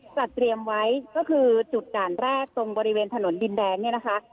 จัดเตรียมไว้ก็คือจุดด่านแรกตรงบริเวณถนนดินแดงเนี่ยนะคะ